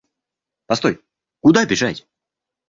Постой, куда бежать?